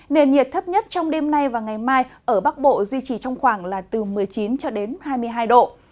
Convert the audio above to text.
nền nhiệt thấp nhất trong đêm nay và ngày mai ở bắc bộ duy trì trong khoảng là từ một mươi chín cho đến hai mươi hai độ